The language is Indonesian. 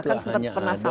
itu hanya ada